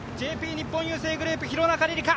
日本郵政グループ、廣中璃梨佳